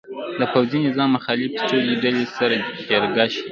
د پوځي نظام مخالفې ټولې ډلې سره جرګه شي.